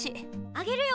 あげるよ！